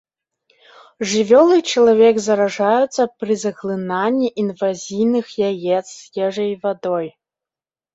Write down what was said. Жывёлы і чалавек заражаюцца пры заглынанні інвазійных яец з ежай і вадой.